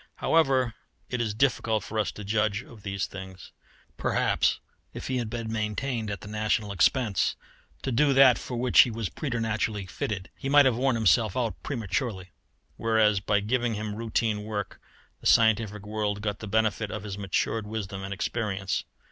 However, it is difficult for us to judge of these things. Perhaps if he had been maintained at the national expense to do that for which he was preternaturally fitted, he might have worn himself out prematurely; whereas by giving him routine work the scientific world got the benefit of his matured wisdom and experience.